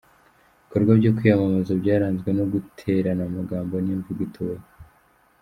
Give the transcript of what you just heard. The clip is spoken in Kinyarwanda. Ibikorwa byo kwiyamamaza byaranzwe no guterana amagambo n'imvugo itubaka.